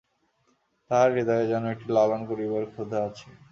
তাহার হৃদয়ে যেন একটি লালন করিবার ক্ষুধা আছে।